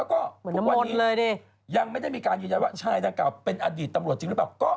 แล้วก็ทุกวันนี้ยังไม่ได้มีการยืนยันว่าชายดังกล่าเป็นอดีตตำรวจจริงหรือเปล่า